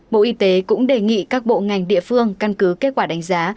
bộ y tế cũng đề nghị các bộ ngành địa phương căn cứ kết quả đánh giá